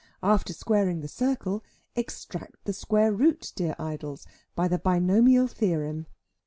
After squaring the circle, extract the square root, dear Idols, by the binomial theorem.